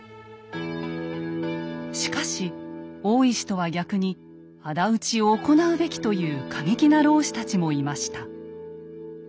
しかし大石とは逆にあだ討ちを行うべきという過激な浪士たちもいました。